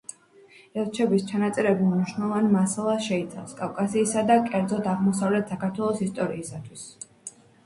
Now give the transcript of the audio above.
ელჩების ჩანაწერები მნიშვნელოვან მასალას შეიცავენ კავკასიისა და, კერძოდ, აღმოსავლეთ საქართველოს ისტორიისათვის.